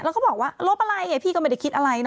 แล้วก็บอกว่าลบอะไรพี่ก็ไม่ได้คิดอะไรนะ